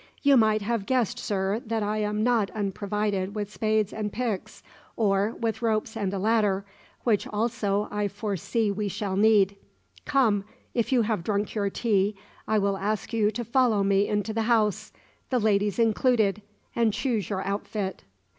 "You might have guessed, sir, that I am not unprovided with spades and picks, or with ropes and a ladder, which also I foresee we shall need. Come; if you have drunk your tea, I will ask you to follow me into the house the ladies included and choose your outfit."